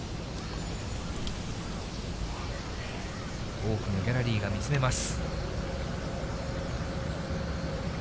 多くのギャラリーが見つめます。